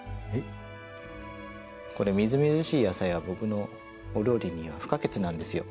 これみずみずしい野菜は僕のお料理には不可欠なんですよ。